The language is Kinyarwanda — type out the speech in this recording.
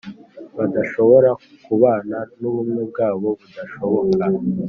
badashobora kubana, n’ubumwe bwabo budashoboka.